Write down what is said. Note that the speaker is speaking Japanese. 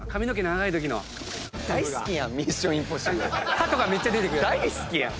ハトがめっちゃ出てくるやつ。